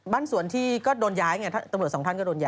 บ้านสวนที่ก็โดนย้ายไงถ้าตำรวจสองท่านก็โดนย้าย